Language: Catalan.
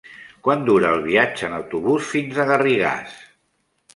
Quant dura el viatge en autobús fins a Garrigàs?